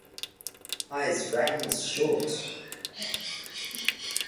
Ay's reign was short.